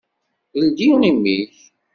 Ldi imi-k!